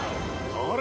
あれ？